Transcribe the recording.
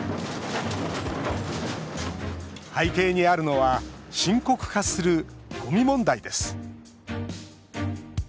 背景にあるのは深刻化するゴミ問題です。